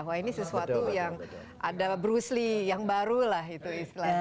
wah ini sesuatu yang ada bruce lee yang baru lah itu istilahnya